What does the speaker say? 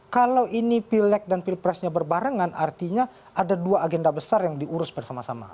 kalau ini pilek dan pilpresnya berbarengan artinya ada dua agenda besar yang diurus bersama sama